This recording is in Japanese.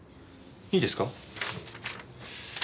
いいですか？